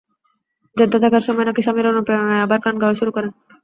Jeddah থাকার সময় নাকি স্বামীর অনুপ্রেরণায় আবার গান গাওয়া শুরু করেন।